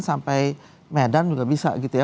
sampai medan juga bisa gitu ya